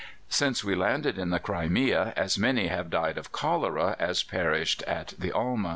"Since we landed in the Crimea as many have died of cholera as perished at the Alma.